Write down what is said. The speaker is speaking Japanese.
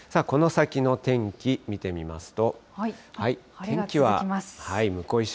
この先の天気見てみますと。